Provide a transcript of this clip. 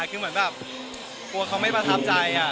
คือเหมือนแบบกลัวเขาไม่ประทับใจ